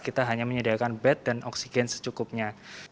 kita hanya menyediakan bed dan oksigen secukupnya